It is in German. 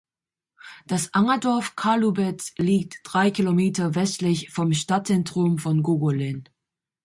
Das Angerdorf Karlubitz liegt drei Kilometer westlich vom Stadtzentrum von Gogolin.